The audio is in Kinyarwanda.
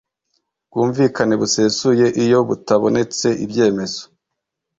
bwumvikane busesuye iyo butabonetse ibyemezo